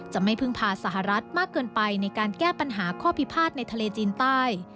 จะไม่พึ่งพาสหรัฐมากเกินไปในการแก้ปัญหาข้อพิพาทในทะเลจีนใต้